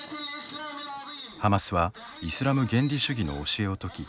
ハマスはイスラム原理主義の教えを説き